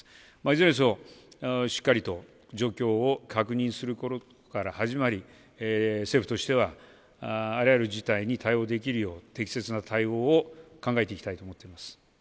いずれにせよ、しっかりと状況を確認することから始まり、政府としてはあらゆる事態に対応できるよう、適切な対応を考えていきたいと思っております。